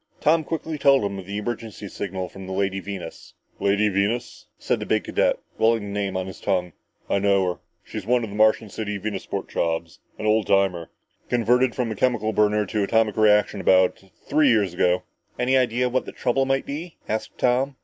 Tom quickly told him of the emergency signal from the Lady Venus. "_Lady Venus _" said the big cadet, rolling the name on his tongue, "I know her. She's one of the Martian City Venusport jobs an old timer. Converted from a chemical burner to atomic reaction about three years ago!" "Any ideas what the trouble might be?" asked Tom.